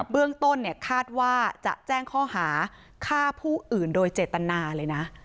เบื้องต้นเนี่ยคาดว่าจะแจ้งข้อหาฆ่าผู้อื่นโดยเจตนาเลยนะ